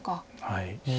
はい。